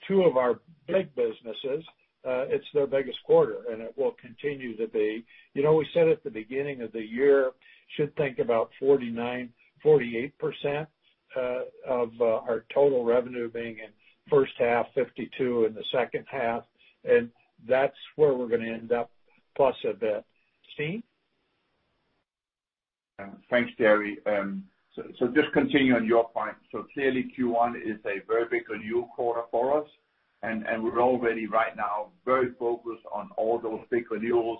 two of our big businesses, it's their biggest quarter and it will continue to be. You know, we said at the beginning of the year should think about 49%, 48% of our total revenue being in first half, 52% in the second half, and that's where we're gonna end up plus a bit. Steen? Thanks, Jerre. Just continuing on your point. Clearly Q1 is a very big renewal quarter for us, and we're already right now very focused on all those big renewals.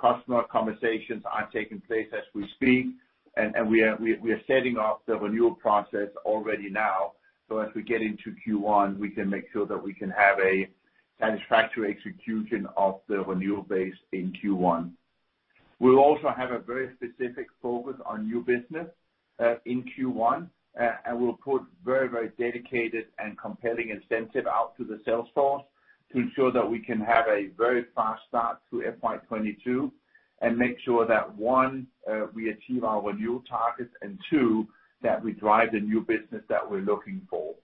Customer conversations are taking place as we speak, and we are setting up the renewal process already now, so as we get into Q1, we can make sure that we can have a satisfactory execution of the renewal base in Q1. We'll also have a very specific focus on new business in Q1. We'll put very dedicated and compelling incentive out to the sales force to ensure that we can have a very fast start to FY 2022, and make sure that, one, we achieve our renewal targets, and two, that we drive the new business that we're looking for.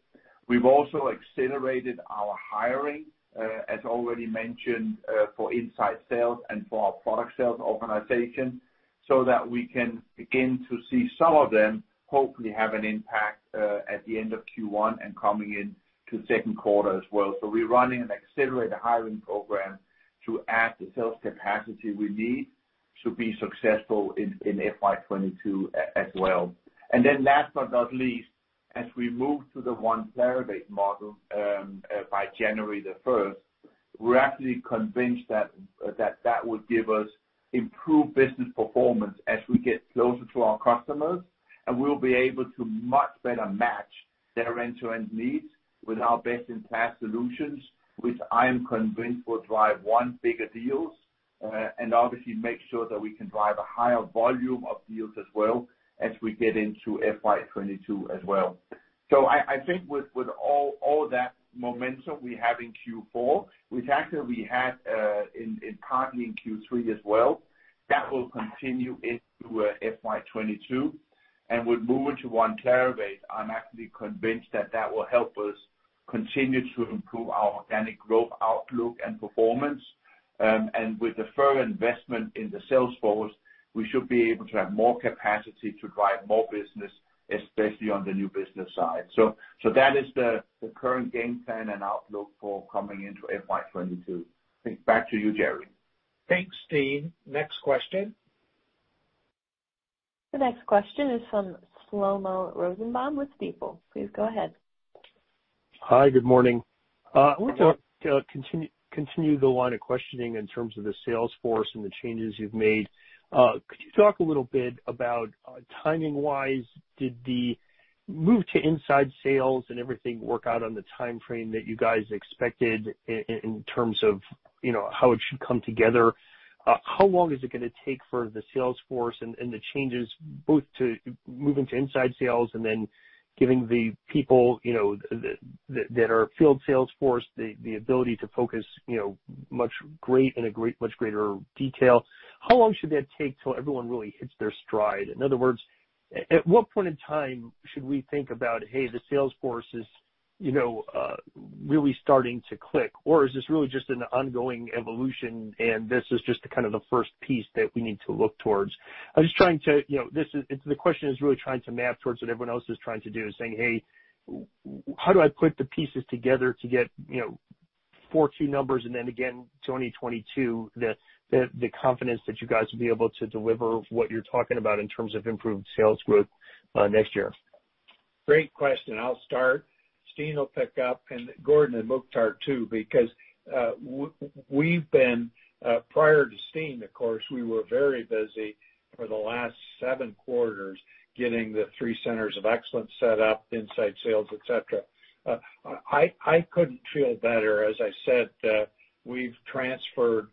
We've also accelerated our hiring, as already mentioned, for inside sales and for our product sales organization, so that we can begin to see some of them hopefully have an impact, at the end of Q1 and coming in to second quarter as well. We're running an accelerated hiring program to add the sales capacity we need to be successful in FY 2022 as well. Last but not least, as we move to the One Clarivate model, by January 1, we're actually convinced that that would give us improved business performance as we get closer to our customers, and we'll be able to much better match their end-to-end needs with our best-in-class solutions, which I am convinced will drive one, bigger deals, and obviously make sure that we can drive a higher volume of deals as well as we get into FY 2022 as well. I think with all that momentum we have in Q4, we've actually had partly in Q3 as well, that will continue into FY 2022. With moving to One Clarivate, I'm actually convinced that that will help us continue to improve our organic growth outlook and performance. With the further investment in the sales force, we should be able to have more capacity to drive more business, especially on the new business side. So that is the current game plan and outlook for coming into FY 2022. Back to you, Jerre. Thanks, Steen. Next question. The next question is from Shlomo Rosenbaum with Stifel. Please go ahead. Hi, good morning. I want to continue the line of questioning in terms of the sales force and the changes you've made. Could you talk a little bit about, timing-wise, did the move to inside sales and everything work out on the timeframe that you guys expected in terms of, you know, how it should come together? How long is it gonna take for the sales force and the changes both to moving to inside sales and then giving the people, you know, that are field sales force, the ability to focus, you know, in a much greater detail? How long should that take till everyone really hits their stride? In other words, at what point in time should we think about, hey, the sales force is, you know, really starting to click? Is this really just an ongoing evolution, and this is just the kind of the first piece that we need to look towards? I'm just trying to, you know, it's the question is really trying to map towards what everyone else is trying to do, saying, "Hey, how do I put the pieces together to get, you know, 42 numbers, and then again, 2022, the confidence that you guys will be able to deliver what you're talking about in terms of improved sales growth, next year? Great question. I'll start. Steen will pick up, and Gordon and Mukhtar too, because we've been, prior to Steen, of course, we were very busy for the last seven quarters getting the three centers of excellence set up, inside sales, et cetera. I couldn't feel better. As I said, we've transferred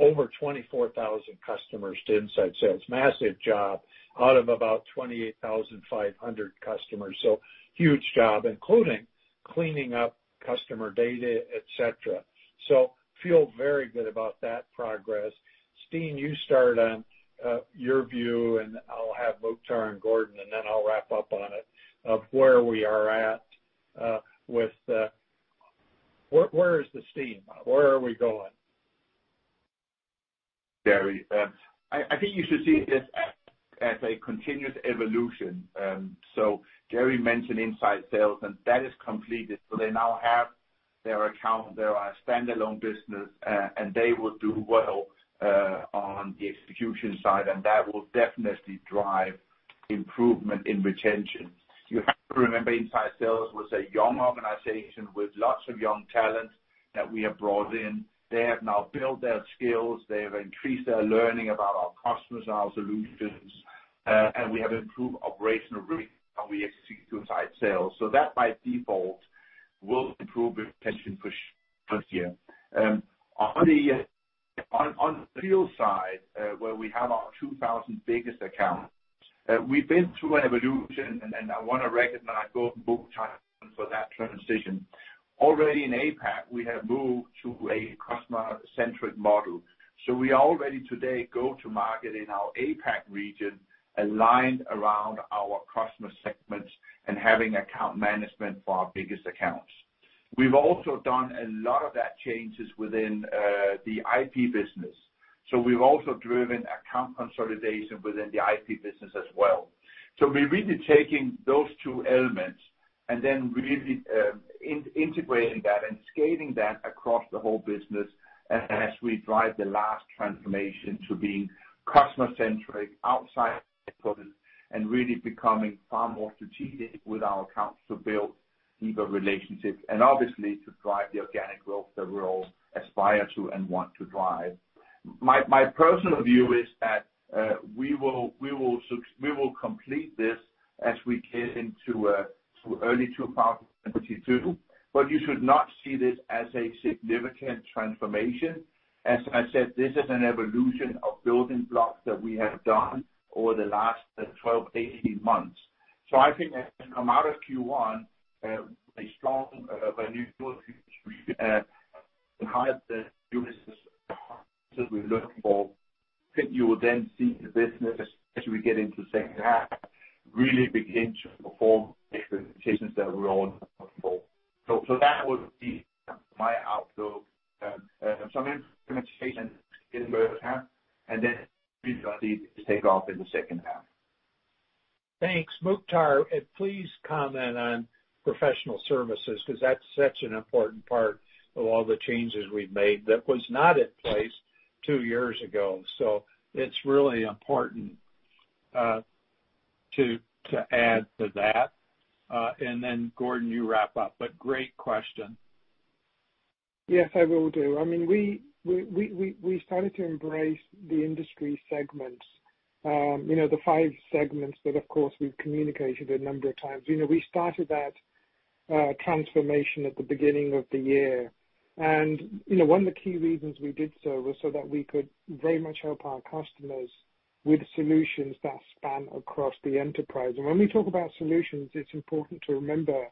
over 24,000 customers to inside sales. Massive job out of about 28,500 customers. Huge job, including cleaning up customer data, et cetera. Feel very good about that progress. Steen, you start on your view, and I'll have Mukhtar and Gordon, and then I'll wrap up on it, of where we are at with the team. Where are we going? Jerre, I think you should see this as a continuous evolution. Jerre mentioned inside sales, and that is completed. They now have their account, their standalone business, and they will do well on the execution side, and that will definitely drive improvement in retention. You have to remember, inside sales was a young organization with lots of young talent that we have brought in. They have now built their skills. They have increased their learning about our customers and our solutions. We have improved operational how we execute inside sales. That by default will improve retention for here. On the field side, where we have our 2,000 biggest accounts, we've been through an evolution, and I wanna recognize both Mukhtar for that transition. Already in APAC, we have moved to a customer-centric model. We already today go to market in our APAC region, aligned around our customer segments and having account management for our biggest accounts. We've also done a lot of those changes within the IP business. We've also driven account consolidation within the IP business as well. We're really taking those two elements and then really integrating that and scaling that across the whole business as we drive the last transformation to being customer-centric, outside and really becoming far more strategic with our accounts to build deeper relationships and obviously to drive the organic growth that we all aspire to and want to drive. My personal view is that we will complete this as we get into early 2022. You should not see this as a significant transformation. As I said, this is an evolution of building blocks that we have done over the last 12-18 months. I think coming out of Q1, a strong value to industry, the highest business that we're looking for. I think you will then see the business as we get into the second half really begin to perform to expectations that we're all looking for. That would be my outlook. Some implementation in the first half, and then we take off in the second half. Thanks. Mukhtar, please comment on professional services, 'cause that's such an important part of all the changes we've made that was not in place two years ago. It's really important to add to that. Then Gordon, you wrap up. Great question. Yes, I will do. I mean, we started to embrace the industry segments, you know, the five segments that of course we've communicated a number of times. You know, we started that transformation at the beginning of the year. You know, one of the key reasons we did so was so that we could very much help our customers with solutions that span across the enterprise. When we talk about solutions, it's important to remember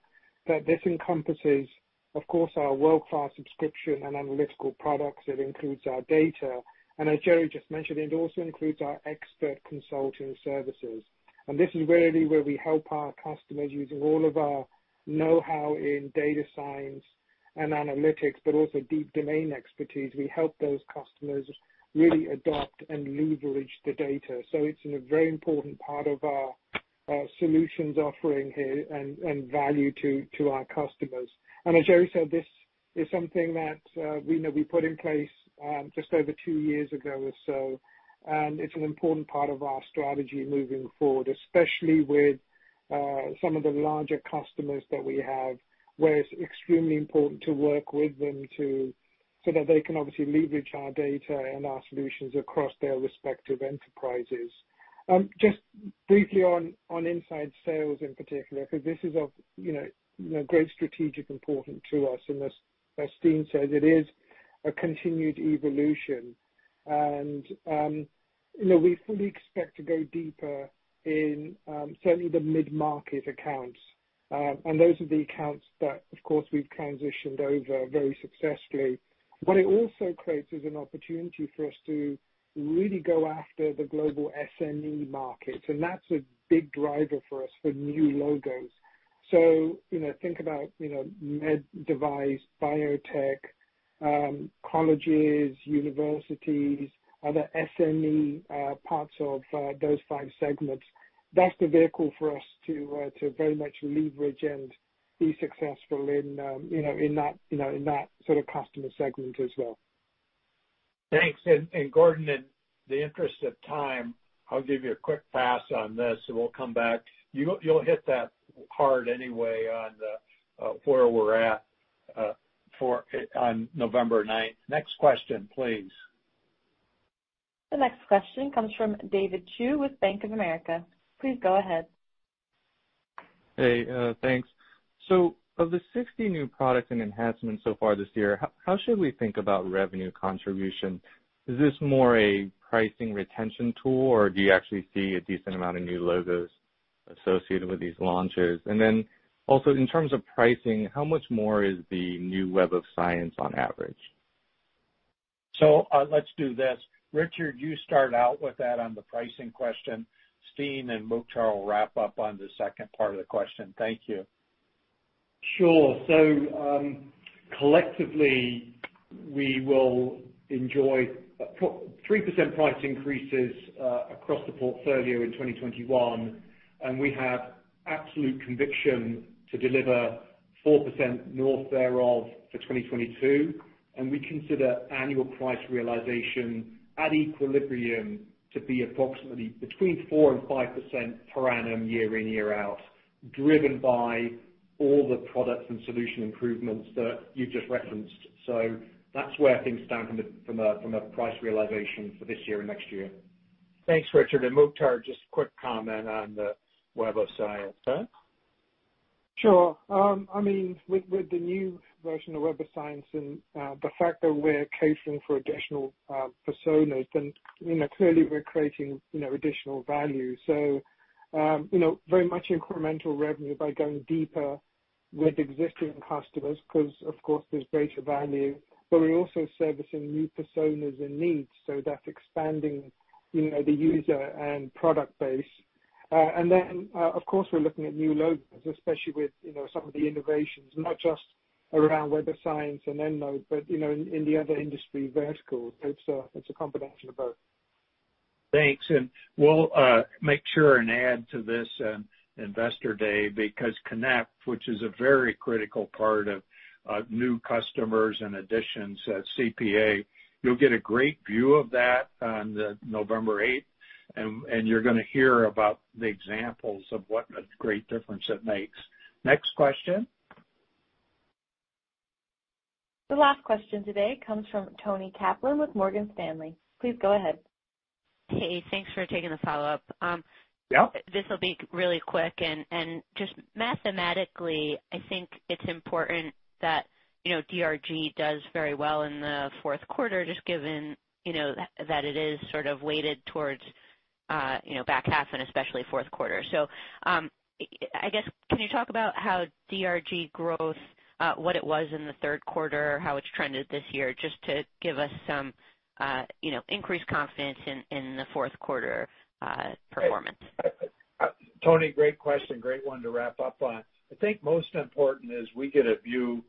that this encompasses, of course, our world-class subscription and analytical products. It includes our data. As Jerre just mentioned, it also includes our expert consulting services. This is really where we help our customers using all of our know-how in data science and analytics, but also deep domain expertise. We help those customers really adopt and leverage the data. It's a very important part of our solutions offering here and value to our customers. As Jerre said, this is something that you know, we put in place just over two years ago or so. It's an important part of our strategy moving forward, especially with some of the larger customers that we have, where it's extremely important to work with them so that they can obviously leverage our data and our solutions across their respective enterprises. Just briefly on inside sales in particular, because this is, you know, of great strategic importance to us. As Steen said, it is a continued evolution. You know, we fully expect to go deeper in certainly the mid-market accounts. Those are the accounts that, of course, we've transitioned over very successfully. What it also creates is an opportunity for us to really go after the global SME markets, and that's a big driver for us for new logos. So, you know, think about, you know, med device, biotech, colleges, universities, other SME, parts of those five segments. That's the vehicle for us to very much leverage and be successful in, you know, in that sort of customer segment as well. Thanks. Gordon, in the interest of time, I'll give you a quick pass on this, and we'll come back. You'll hit that hard anyway on the where we're at for on November ninth. Next question, please. The next question comes from David Chiu with Bank of America. Please go ahead. Hey, thanks. Of the 60 new products and enhancements so far this year, how should we think about revenue contribution? Is this more a pricing retention tool, or do you actually see a decent amount of new logos associated with these launches? Then also in terms of pricing, how much more is the new Web of Science on average? Let's do this. Richard, you start out with that on the pricing question. Steen and Mukhtar will wrap up on the second part of the question. Thank you. Sure. Collectively, we will enjoy 3% price increases across the portfolio in 2021, and we have absolute conviction to deliver 4% north thereof for 2022. We consider annual price realization at equilibrium to be approximately between 4% and 5% per annum, year in, year out, driven by all the products and solution improvements that you just referenced. That's where things stand from a price realization for this year and next year. Thanks, Richard. Mukhtar, just a quick comment on the Web of Science. Sure. I mean, with the new version of Web of Science and the fact that we're catering for additional personas, then, you know, clearly we're creating, you know, additional value. Very much incremental revenue by going deeper with existing customers because, of course, there's greater value, but we're also servicing new personas and needs, so that's expanding, you know, the user and product base. Of course, we're looking at new logos, especially with, you know, some of the innovations, not just around Web of Science and EndNote, but, you know, in the other industry verticals. It's a combination of both. Thanks. We'll make sure and add to this Investor Day, because Connect, which is a very critical part of new customers and additions at CPA, you'll get a great view of that on the November eighth, and you're gonna hear about the examples of what a great difference it makes. Next question. The last question today comes from Toni Kaplan with Morgan Stanley. Please go ahead. Hey, thanks for taking the follow-up. Yeah. This will be really quick. Just mathematically, I think it's important that, you know, DRG does very well in the fourth quarter, just given, you know, that it is sort of weighted towards the back half and especially fourth quarter. I guess, can you talk about how DRG growth, what it was in the third quarter, how it's trended this year, just to give us some, you know, increased confidence in the fourth quarter performance? Toni, great question. Great one to wrap up on. I think most important is we get a view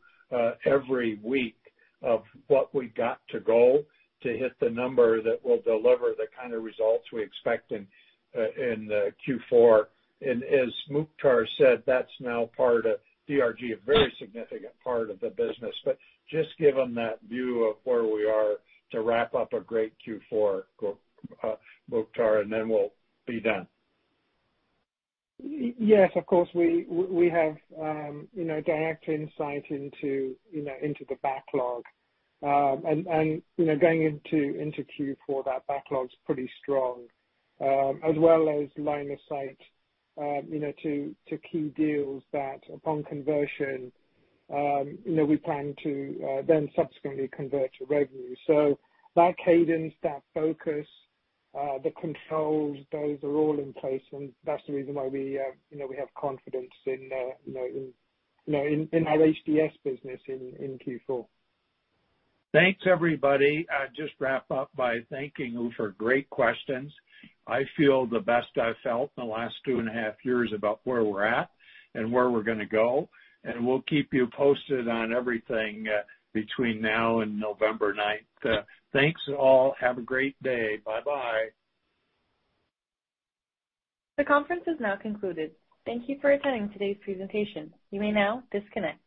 every week of what we got to go to hit the number that will deliver the kind of results we expect in Q4. As Mukhtar said, that's now part of DRG, a very significant part of the business. Just give them that view of where we are to wrap up a great Q4, Mukhtar, and then we'll be done. Yes, of course. We have direct insight into the backlog. You know, going into Q4, that backlog's pretty strong, as well as line of sight to key deals that upon conversion we plan to then subsequently convert to revenue. That cadence, that focus, the controls, those are all in place and that's the reason why we have confidence in our HDS business in Q4. Thanks, everybody. I'd just wrap up by thanking you for great questions. I feel the best I've felt in the last two and a half years about where we're at and where we're gonna go, and we'll keep you posted on everything, between now and November ninth. Thanks all. Have a great day. Bye-bye. The conference is now concluded. Thank you for attending today's presentation. You may now disconnect.